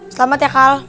selamat ya kal